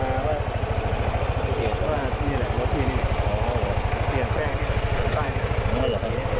เป็นไรอ่ะพี่